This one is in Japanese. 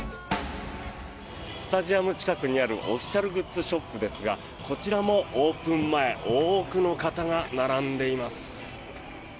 スタジアム近くにあるオフィシャルグッズショップですがこちらもオープン前多くの方が並んでいます。